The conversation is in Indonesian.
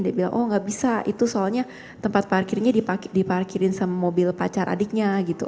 dia bilang oh nggak bisa itu soalnya tempat parkirnya diparkirin sama mobil pacar adiknya gitu